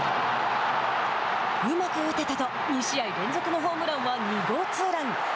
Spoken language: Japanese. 「うまく打てた」と２試合連続のホームランは２号ツーラン。